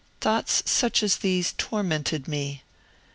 Thoughts such as these tormented me.